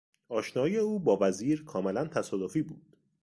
آشنایی او با وزیر کاملا تصادفی بود.